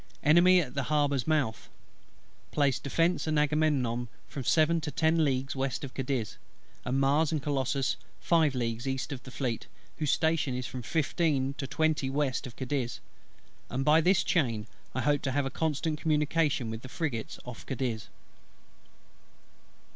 Enemy at the harbour's mouth. Placed Defence and Agamemnon from seven to ten leagues west of Cadiz; and Mars and Colossus five leagues east of the Fleet, whose station is from fifteen to twenty west of Cadiz: and by this chain I hope to have a constant communication with the frigates off Cadiz.